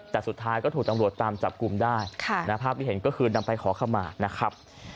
แต่สุดท้ายก็ถูกตำรวจตามจับกลุ่มได้ภาพที่เห็นก็คือนำไปขอขมานะครับ